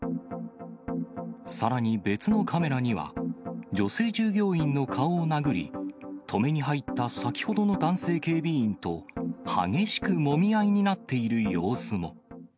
さらに別のカメラには、女性従業員の顔を殴り、止めに入った先ほどの男性警備員と、激しくもみ合いになっている様子も。